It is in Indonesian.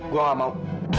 gua gak mau